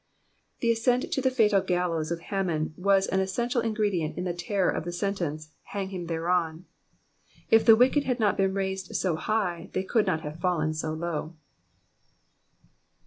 The ascent to the fatal gallows of Haman was an essential ingredient in the terror of the sentence —hang him thereon.'' If the wicked had not been raised so high they could not have fallen so low.